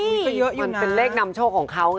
มันก็เยอะอยู่นะมันเป็นเลขนำโชคของเขาไง